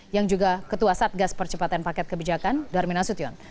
yang juga ketua satgas percepatan paket kebijakan darmin nasution